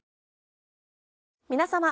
皆様。